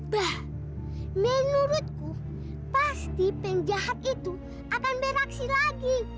bah menurutku pasti penjahat itu akan bereaksi lagi